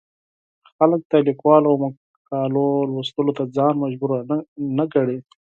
خلک د ليکوالو د مقالو لوستلو ته ځان مجبور نه ګڼي.